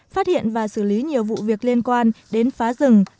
phát hiện và xử lý nhiều vụ việc liên quan đến phá rừng